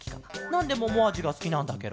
なんでももあじがすきなんだケロ？